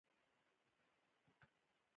هغه تر اوسه یوه علمي مقاله هم نه ده لیکلې